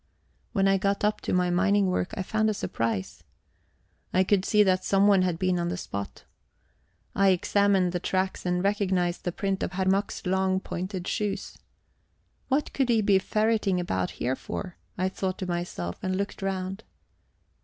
When I got up to my mining work, I found a surprise. I could see that someone had been on the spot. I examined the tracks and recognised the print of Herr Mack's long, pointed shoes. What could he be ferreting about here for? I thought to myself, and looked round.